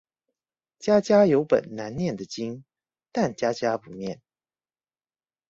家家有本難念的經，但家家不念